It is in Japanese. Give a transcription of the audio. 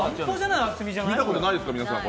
見たことないですか、皆さん。